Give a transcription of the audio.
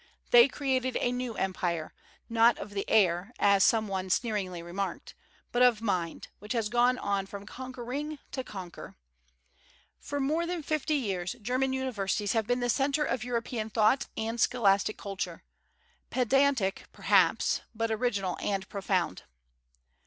They created a new empire, not of the air, as some one sneeringly remarked, but of mind, which has gone on from conquering to conquer. For more than fifty years German universities have been the centre of European thought and scholastic culture, pedantic, perhaps, but original and profound.